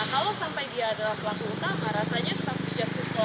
kalau sampai dia adalah pelaku utama rasanya status justice